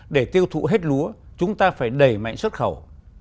để tiêu thụ hết lúa chúng ta phải đẩy mạnh xuất khẩu